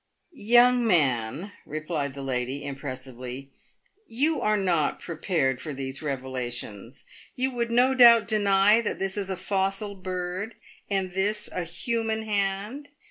"Young man," replied the lady, impressively, "you are not pre pared for these revelations. You would no doubt deny that this is a fossil bird, and this a human hand."